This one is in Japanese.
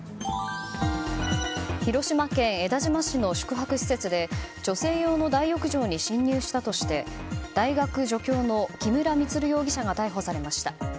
広島県江田島市の宿泊施設で女性用の大浴場に侵入したとして大学助教の木村充容疑者が逮捕されました。